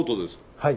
はい。